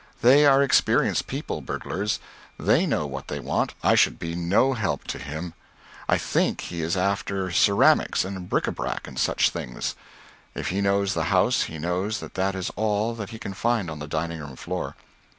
They are experienced people, burglars; they know what they want; I should be no help to him. I think he is after ceramics and bric à brac and such things. If he knows the house he knows that that is all that he can find on the dining room floor."